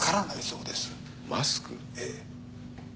ええ。